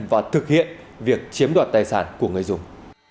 và thực hiện việc chiếm đoạt tài sản của người dùng